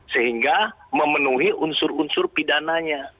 sehingga memenuhi unsur unsur pidananya